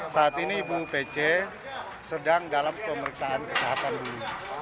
saat ini ibu pece sedang dalam pemeriksaan kesehatan dulu